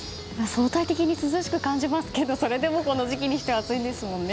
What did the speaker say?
相対的に涼しく感じますがそれでもこの時期にしては暑いですものね。